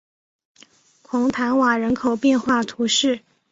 孔坦瓦人口变化图示